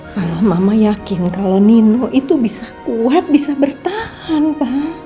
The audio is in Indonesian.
kalau mama yakin kalau nino itu bisa kuat bisa bertahan pak